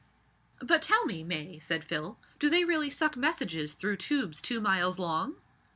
"But tell me, May," said Phil, "do they really suck messages through tubes two miles long?"